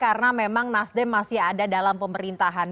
karena memang nasdem masih ada dalam pemerintahan